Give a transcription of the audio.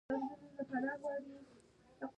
په پرمختیايي هیوادونو کې پانګه کمه ده.